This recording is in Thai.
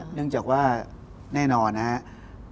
เนื่องจากแน่นอนนะฮะ